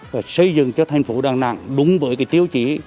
và xây dựng cho thành phố đảng đảng đúng với cái tiêu chí